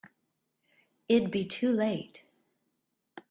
It'd be too late.